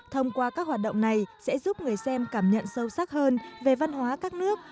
thông qua các hoạt động này sẽ giúp người xem cảm nhận sâu sắc hơn về văn hóa các nước